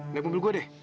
naik mobil gue deh